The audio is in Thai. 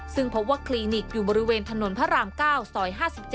ซึ่งพบว่าคลินิกอยู่บริเวณถนนพระราม๙ซอย๕๗